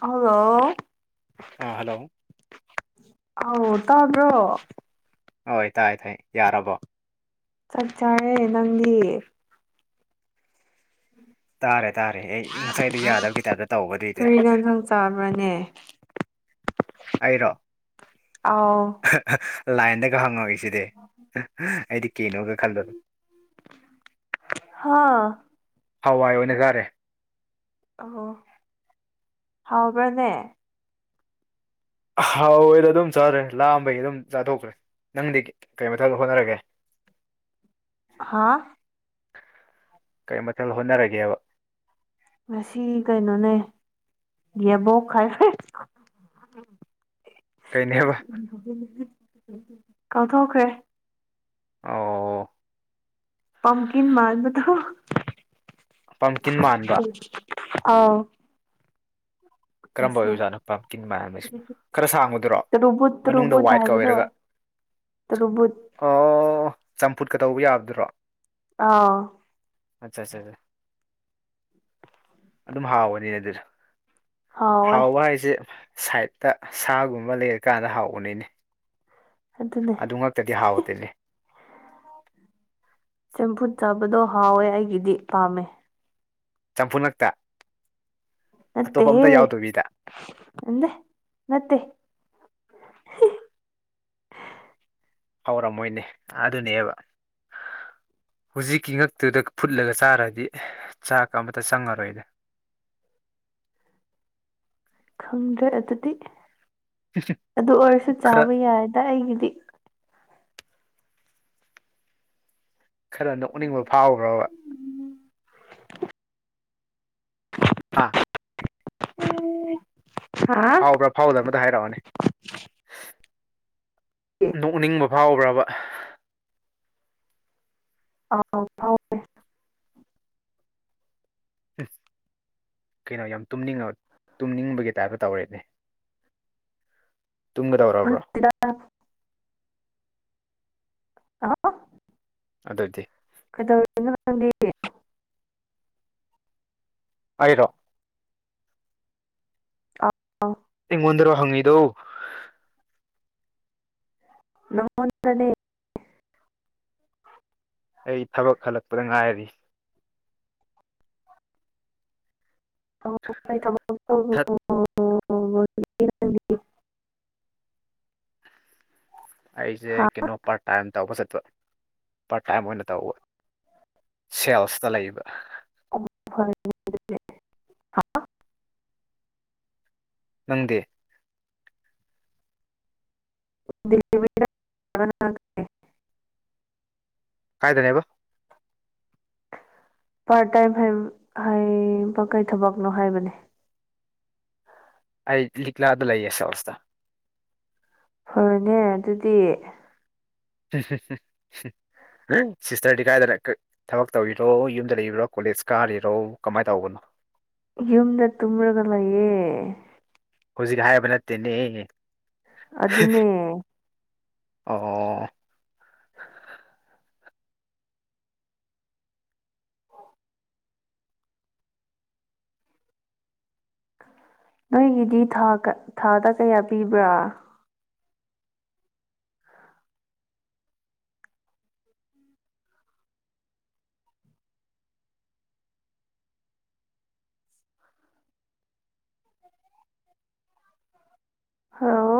Hello ꯑꯥ hello ꯑꯧ ꯇꯥꯕ꯭ꯔꯣ ꯍꯣꯏ ꯇꯥꯏ ꯇꯥꯏ ꯌꯥꯔꯕꯣ ꯆꯥꯛ ꯆꯥꯔꯦ ꯅꯪꯗꯤ ꯇꯥꯔꯦ ꯇꯥꯔꯦ ꯑꯩ ꯉꯁꯥꯏꯗꯩ ꯌꯥꯗꯕꯒꯤ ꯇꯥꯏꯞꯇ ꯇꯧꯕ ꯑꯗꯨꯏꯗꯤ ꯇꯥꯕꯅꯦ ꯑꯩꯔꯣ ꯑꯥꯎ ꯍ ꯍ ꯂꯥꯏꯟꯗꯒ ꯍꯪꯉꯧꯏꯁꯤꯗꯤ ꯑꯩꯗꯤ ꯀꯩꯅꯣꯒ ꯈꯜꯂꯨꯔꯦ ꯍꯥ ꯍꯋꯥꯏ ꯑꯣꯏꯅ ꯆꯥꯔꯦ ꯑꯣ ꯍꯥꯎꯕ꯭ꯔꯥꯅꯦ? ꯍꯥꯎꯋꯦꯗ ꯑꯗꯨꯝ ꯆꯥꯔꯦ ꯂꯥꯝꯕꯩ ꯑꯗꯨꯝ ꯆꯥꯊꯣꯛꯈ꯭ꯔꯦ ꯅꯪꯗꯤ ꯀꯩ ꯃꯊꯦꯜ ꯍꯣꯠꯅꯔꯒꯦ? ꯍꯥꯥ ꯀꯩ ꯃꯊꯦꯜ ꯍꯣꯠꯅꯔꯒꯦꯕ? ꯉꯁꯤ ꯀꯩꯅꯣꯅꯦ ꯌꯦꯕꯣꯛ ꯍꯥꯏ [inaudible] ꯀꯩꯅꯦꯕ ꯀꯥꯎꯊꯣꯛꯈ꯭ꯔꯦ ꯑꯣ ꯄꯝꯀꯤꯟ ꯃꯥꯟꯕꯗꯣ ꯄꯝꯀꯤꯟ ꯃꯥꯟꯕ ꯑꯥꯎ ꯀꯔꯝꯕ ꯌꯁꯤꯂꯣ ꯑꯣꯏꯕꯖꯥꯠꯅꯣ ꯄꯝꯀꯤꯟ ꯃꯥꯟꯕꯁꯤꯕꯨ ꯈꯔ ꯁꯥꯡꯕꯗꯨꯔꯣ ꯇꯨꯔꯨꯕꯨꯠ ꯃꯅꯨꯡꯗ ꯇꯨꯔꯨꯕꯨꯠ ꯋꯥꯏꯠꯀ ꯍꯥꯏꯕꯗꯣ ꯑꯣꯏꯔꯒ ꯇꯨꯔꯨꯕꯨꯠ ꯑꯣ ꯆꯝꯐꯨꯠꯀ ꯇꯧꯕ ꯌꯥꯕꯗꯨꯔꯣ ꯑꯥ ꯑꯠꯆꯥ ꯆꯥ ꯆꯥ ꯑꯗꯨꯝ ꯍꯥꯎꯕꯅꯤꯅꯦ ꯑꯗꯨꯗꯣ ꯍꯥꯎꯋꯦ ꯍꯥꯎꯕ ꯍꯥꯏꯁꯦ ꯁꯥꯏꯠꯇ ꯁꯥꯒꯨꯝꯕ ꯂꯩꯔꯀꯥꯟꯗ ꯍꯥꯎꯕꯅꯤꯅꯦ ꯑꯗꯨꯅꯦ ꯗꯨꯉꯛꯇꯗꯤ ꯍꯥꯎꯇꯦꯅꯦ ꯆꯝꯐꯨꯠ ꯆꯥꯕꯗꯣ ꯍꯥꯎꯋꯦ ꯑꯩꯒꯤꯗꯤ ꯄꯥꯝꯃꯦ ꯆꯝꯐꯨꯠ ꯉꯥꯛꯇ ꯅꯠꯇꯦꯍꯦ ꯌꯥꯎꯗꯕꯤꯗ ꯅꯠꯇꯦ ꯍꯥꯎꯔꯝꯃꯣꯏꯅꯦ ꯑꯗꯨꯅꯦꯕ ꯍꯧꯖꯤꯛꯀꯤ ꯉꯛꯇꯨꯗ ꯐꯨꯠꯂꯒ ꯆꯥꯔꯗꯤ ꯆꯥꯛꯀ ꯑꯃꯇ ꯆꯪꯉꯔꯣꯏꯅꯦ ꯈꯪꯗ꯭ꯔꯦ ꯑꯗꯨꯗꯤ ꯑꯗꯨ ꯑꯣꯏꯔꯁꯨ ꯈꯔ ꯆꯥꯕ ꯌꯥꯏꯗ ꯑꯩꯒꯤꯗꯤ ꯈꯔ ꯅꯣꯛꯅꯤꯡꯕ ꯐꯥꯎꯕ꯭ꯔꯕ ꯎꯝ ꯍꯥꯥ [unintelligible] ꯐꯥꯎꯕ꯭ꯔꯥ ꯐꯥꯎꯗꯕ꯭ꯔꯗ ꯍꯥꯏꯔꯛꯑꯣꯅꯦ ꯅꯣꯛꯅꯤꯡꯕ ꯐꯥꯎꯕ꯭ꯔꯕ ꯑꯥꯎ꯫ ꯍꯨꯝ ꯀꯩꯅꯣ ꯌꯥꯝ ꯇꯨꯝꯅꯤꯡꯉ ꯇꯨꯝꯅꯤꯡꯕꯒꯤ ꯇꯥꯏꯞꯇ ꯇꯧꯔꯦꯅꯦ꯫ ꯇꯨꯝꯒꯗꯧꯔꯕ꯭ꯔꯣ ꯅꯠꯇꯦꯗ꯫ [unintelligible] ꯑꯗꯨꯗꯤ꯫ ꯀꯩꯗꯧꯔꯤꯅꯣ? ꯅꯪꯗꯤ ꯑꯩꯔꯣ ꯑꯥꯎ ꯑꯩꯉꯣꯟꯗꯔꯣ ꯍꯪꯉꯤꯗꯣ ꯅꯪꯉꯣꯟꯗꯅꯦ [unintelligible] ꯑꯩ ꯊꯕꯛ ꯍꯜꯂꯛꯄꯗ ꯉꯥꯏꯔꯤ ꯑꯣ ꯀꯩ ꯊꯕꯛ ꯇꯧꯔꯨ ꯊꯠ ꯑꯩꯖꯦ ꯀꯩꯅꯣ ꯄꯥꯔꯠ ꯇꯥꯏꯝ ꯇꯧꯕ ꯆꯠꯄ ꯄꯥꯔꯠ ꯇꯥꯏꯝ ꯑꯣꯏꯅ ꯇꯧꯕ ꯁꯦꯜꯁꯇ ꯂꯩꯕ [unintelligible] ꯍꯥ ꯅꯪꯗꯤ [unintelligible] ꯀꯥꯏꯗꯅꯦꯕ ꯄꯥꯔꯠ ꯇꯥꯏꯝ ꯍꯥꯏ ꯍꯥꯏꯕ ꯀꯩ ꯊꯕꯛꯅꯣ ꯍꯥꯏꯕꯅꯦ ꯑꯩꯗꯤ ꯂꯤꯛꯂꯗ ꯂꯩꯌꯦ ꯁꯦꯜꯁꯇ ꯐꯔꯅꯦ ꯑꯗꯨꯗꯤ ꯆꯤꯁꯇꯔꯗꯤ ꯀꯥꯏꯗ ꯂꯩ ꯀꯥꯏ ꯊꯕꯛ ꯇꯧꯔꯤꯔꯣ ꯌꯨꯝꯗ ꯂꯩꯔꯤꯔꯣ ꯀꯣꯂꯦꯖ ꯀꯥꯔꯤꯔꯣ ꯀꯃꯥꯏ ꯇꯧꯕꯅꯣ ꯌꯨꯝꯗ ꯇꯨꯝꯔꯒ ꯂꯩꯌꯦ ꯍꯧꯖꯤꯛ ꯍꯥꯏꯕ ꯅꯠꯇꯦꯅꯦ ꯑꯗꯨꯅꯦ ꯑꯣ ꯑꯣ ꯅꯣꯏꯒꯤꯗꯤ ꯊꯥ ꯊꯥꯗ ꯀꯌꯥ ꯄꯤꯕ꯭ꯔꯥ ꯍꯜꯂꯣ